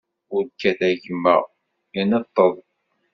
Ur kkat, a gma, ineṭṭeḍ.